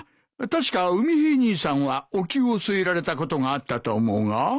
確か海平兄さんはおきゅうを据えられたことがあったと思うが。